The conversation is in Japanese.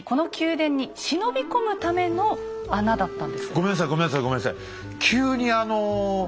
ごめんなさいごめんなさいごめんなさい。